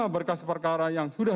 berkas perkara yang sudah